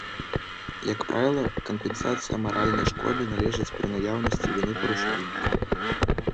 Як правіла, кампенсацыя маральнай шкоды належыць пры наяўнасці віны парушальніка.